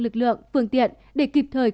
lực lượng phương tiện để kịp thời